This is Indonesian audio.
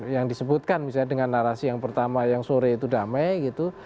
yang disebutkan misalnya dengan narasi yang pertama yang sore itu damai gitu